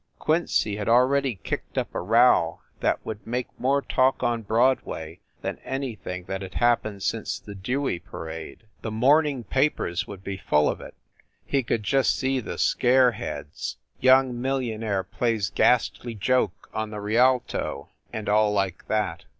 Quincy had already kicked up a row that would make more talk on Broadway than anything that had happened since the Dewey parade. The morning s papers would be full of it 256 FIND THE WOMAN he could just see the scare heads "Young Million aire Plays Ghastly Joke on the Rialto" and all like that.